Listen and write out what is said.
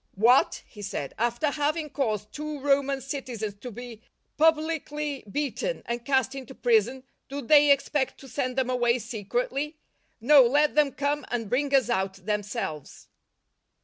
" What," he said, " after having I; : caused two Roman citizens to be publicly I'i ; beaten and cast into prison, do they expect to p ' send them away secretly ? No, let them come and bring us out themselves."